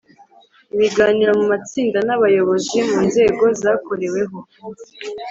Ibiganiro mu matsinda n abayobozi mu nzego zakoreweho